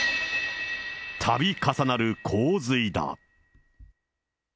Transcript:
たび重なる洪水だ。